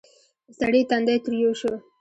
د سړي تندی تريو شو: